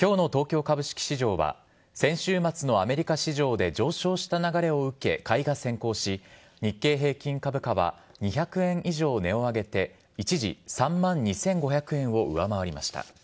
きょうの東京株式市場は、先週末のアメリカ市場で上昇した流れを受け、買いが先行し、日経平均株価は２００円以上値を上げて、一時３万２５００円を上回りました。